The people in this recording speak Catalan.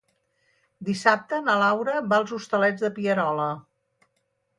Dissabte na Laura va als Hostalets de Pierola.